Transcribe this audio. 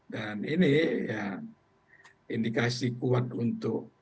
dan ini ya indikasi kuat untuk